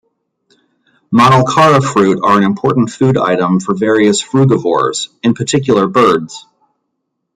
"Manilkara" fruit are an important food item for various frugivores, in particular birds.